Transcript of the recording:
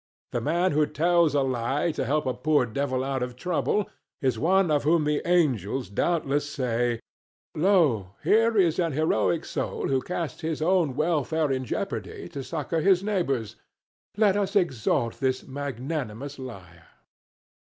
The man who tells a lie to help a poor devil out of trouble, is one of whom the angels doubtless say, "Lo, here is an heroic soul who casts his own welfare in jeopardy to succor his neighbor's; let us exalt this magnanimous liar."